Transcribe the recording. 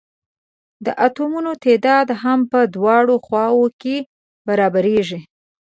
د اتومونو تعداد هم په دواړو خواؤ کې برابریږي.